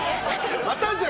またじゃん！